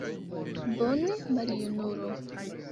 Bone, maljunulo!